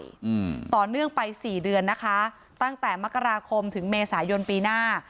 อืมต่อเนื่องไปสี่เดือนนะคะตั้งแต่มกราคมถึงเมษายนปีหน้า